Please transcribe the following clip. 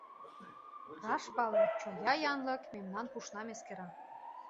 Раш пале: чоя янлык мемнан пушнам эскера.